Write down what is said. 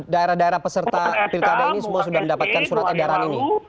daerah daerah peserta pilkada ini semua sudah mendapatkan surat edaran ini